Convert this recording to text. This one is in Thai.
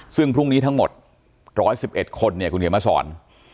ซึ่งพรุ่งนี้ทั้งหมด๑๑๑คนเนี่ยคุณเขียนมาสอน